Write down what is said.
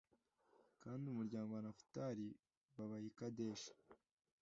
kandi umuryango wa nafutali babaha i kedeshi